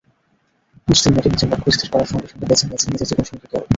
কুস্তির ম্যাটে নিজের লক্ষ্য স্থির করার সঙ্গে সঙ্গে বেছে নিয়েছেন নিজের জীবনসঙ্গীকেও।